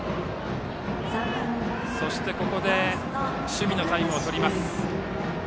ここで守備のタイムを取ります。